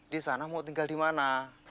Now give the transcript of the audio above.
di sana mau tinggal di mana